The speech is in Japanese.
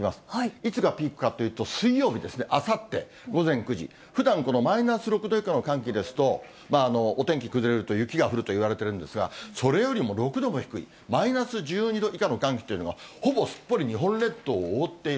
いつがピークかというと、水曜日ですね、あさって午前９時、ふだんこのマイナス６度以下の寒気ですと、お天気崩れると雪が降るといわれているんですが、それよりも６度も低い、マイナス１２度以下の寒気というのが、ほぼすっぽり日本列島を覆っている。